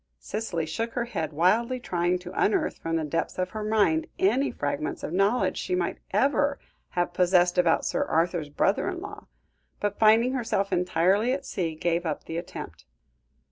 Cicely shook her head, wildly trying to unearth from the depths of her mind, any fragments of knowledge she might ever have possessed about Sir Arthur's brother in law; but finding herself entirely at sea, gave up the attempt.